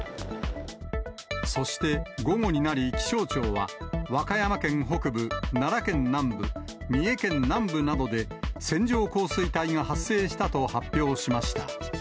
そして午後になり気象庁は、和歌山県北部、奈良県南部、三重県南部などで、線状降水帯が発生したと発表しました。